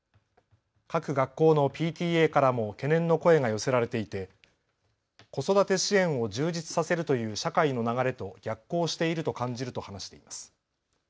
各学校のＰＴＡからも懸念の声が寄せられていて子育て支援を充実させるという社会の流れと逆行していると感じると話しています。